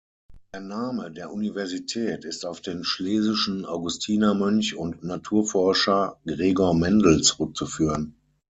Der Name der Universität ist auf den schlesischen Augustinermönch und Naturforscher Gregor Mendel zurückzuführen.